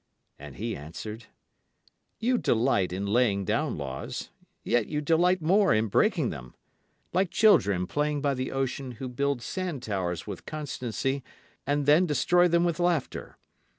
And he answered: You delight in laying down laws, Yet you delight more in breaking them. Like children playing by the ocean who build sand towers with constancy and then destroy them with laughter.